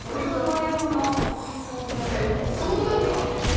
えっそんなんがあんの？